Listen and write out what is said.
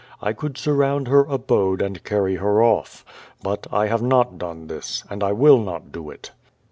I could surround her abode and carry her ofl^. But I have not done this, and I will not do it."